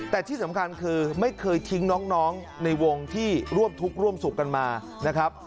แต่ที่สำคัญคือไม่เคยทิ้งน้องในวงที่ร่วมทุกข์ร่วมสุขกันมานะครับ